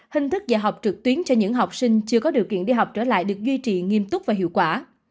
hình thức dạy học trực tuyến cho những học sinh chưa có điều kiện đi học trở lại được duy trì nghiêm túc và hiệu quả